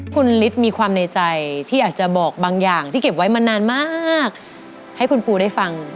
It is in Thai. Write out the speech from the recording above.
คุณฤทธิ์มีความในใจที่อยากจะบอกบางอย่างที่เก็บไว้มานานมากให้คุณปูได้ฟัง